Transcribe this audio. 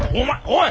おい！